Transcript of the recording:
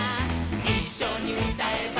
「いっしょにうたえば」